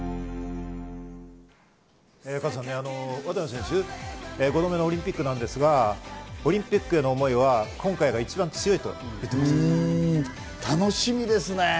渡部選手、５度目のオリンピックですが、オリンピックへの思いは今回が一番強いと言っていましたね。